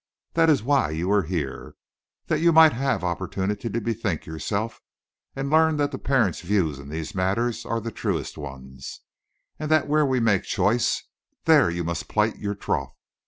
That is why you are here that you might have opportunity to bethink yourself, and learn that the parents' views in these matters are the truest ones, and that where we make choice, there you must plight your troth.